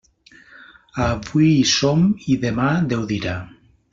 Avui hi som i demà Déu dirà.